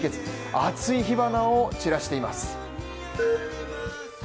熱い火花を散らしています。